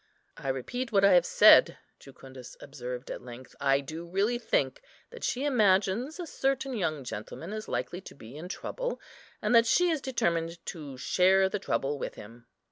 "I repeat what I have said," Jucundus observed at length; "I do really think that she imagines a certain young gentleman is likely to be in trouble, and that she is determined to share the trouble with him."